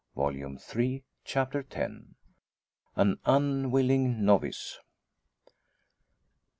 Volume Three, Chapter X. AN UNWILLING NOVICE.